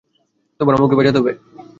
তোমার আম্মুকে বাঁচাতে হবে!